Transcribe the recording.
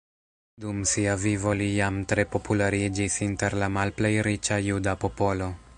Dum sia vivo li jam tre populariĝis inter la malplej riĉa juda popolo.